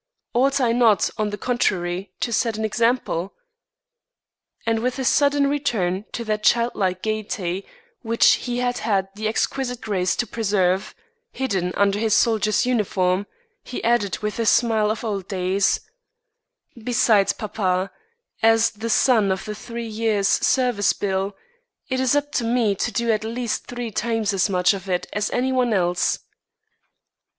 Ought I not, on the contrary, to set an example?" And with a sudden return to that childlike gaiety which he had had the exquisite grace to preserve, hidden under his soldier's uniform, he added with the smile of old days: "Besides, papa, as the son of the Three Years' Service Bill, it is up to me to do at least three times as much of it as anyone else."